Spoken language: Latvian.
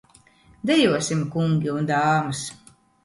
Dejosim, kungi un dāmas!